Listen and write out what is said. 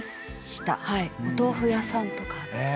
お豆腐屋さんとか。